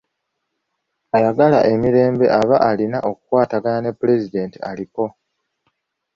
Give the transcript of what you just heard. Ayagala emirembe aba alina kukwatagana ne Pulezidenti aliko.